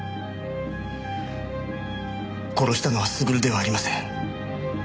殺したのは優ではありません。